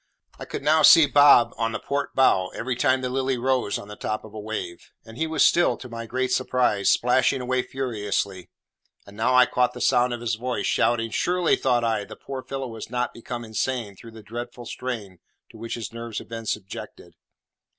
I could now see Bob away on the port bow, every time the Lily rose on the top of a wave, and he was still, to my great surprise, splashing away furiously; and now I caught the sound of his voice, shouting. "Surely," thought I, "the poor fellow has not become insane through the dreadful strain to which his nerves have been subjected!"